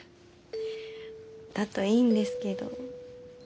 だといいんですけど。